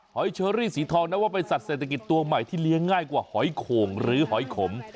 เชอรี่สีทองนับว่าเป็นสัตว์เศรษฐกิจตัวใหม่ที่เลี้ยงง่ายกว่าหอยโข่งหรือหอยขม